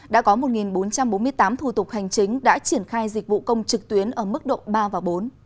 đã có một bốn trăm bốn mươi tám thủ tục hành chính đã triển khai dịch vụ công trực tuyến ở mức độ ba và bốn